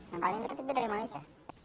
yang paling tertutup dari malaysia